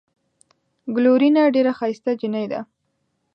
ګلورينه ډېره ښائسته جينۍ ده۔